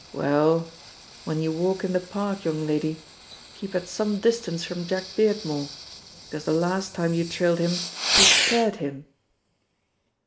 "Well, when you walk in the park, young lady, keep at some distance from Jack Beardmore, because the last time you trailed him, you scared him!"